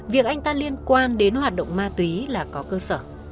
việc anh ta liên quan đến hoạt động ma túy là có cơ sở